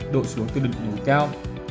đội xuống từ đỉnh ủ cao